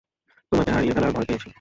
তোমাকে হারিয়ে ফেলার ভয় পেয়েছি।